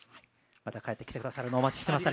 また帰ってきてくださるのをお待ちしてます。